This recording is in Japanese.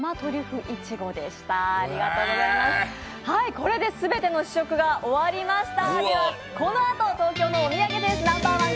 これで全ての試食が終わりました。